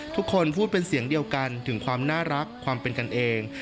ทุกคนพูดเป็นเสียงเดียวกันถึงความน่ารักความเป็นกันเอง